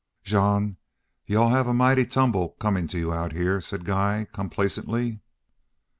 "Jean, you all have a mighty tumble comin' to you out heah," said Guy, complacently.